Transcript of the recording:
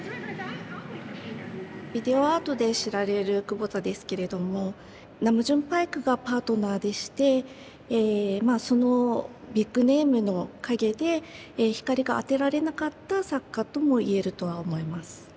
ビデオアートで知られる久保田ですけれどもナムジュン・パイクがパートナーでしてえそのビッグネームの陰で光があてられなかった作家とも言えるとは思います。